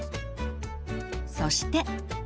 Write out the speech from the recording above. そして。